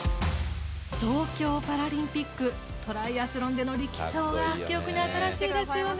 東京パラリンピックトライアスロンでの力走が記憶に新しいですよね。